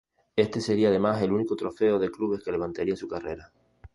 Este sería además el único trofeo de clubes que levantaría en su carrera.